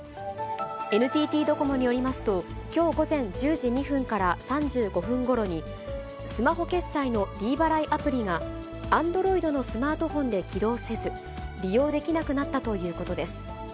ＮＴＴドコモによりますと、きょう午前１０時２分から３５分ごろに、スマホ決済のｄ払いアプリが、アンドロイドのスマートフォンで起動せず、利用できなくなったということです。